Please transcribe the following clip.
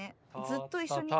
ずっと一緒に。